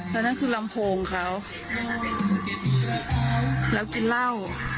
ตอนนั้นคือลำโพงเขาแล้วกินเหล้า